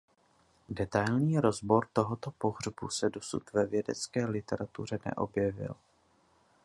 Detailní rozbor tohoto pohřbu se dosud ve vědecké literatuře neobjevil.